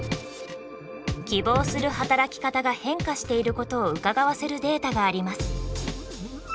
希望する働き方が変化していることをうかがわせるデータがあります。